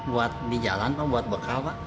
buat di jalan pak buat bekal pak